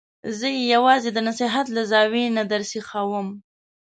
زه یې یوازې د نصحت له زاویې نه درسیخوم.